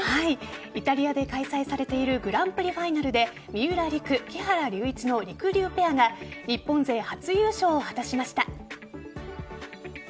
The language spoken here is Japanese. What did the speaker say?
イタリアで開催されているグランプリファイナルで三浦璃来・木原龍一のりくりゅうペアが日本勢初優勝を果たしました。